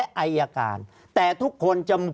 ภารกิจสรรค์ภารกิจสรรค์